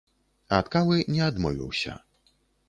Ад кавы не адмовіўся.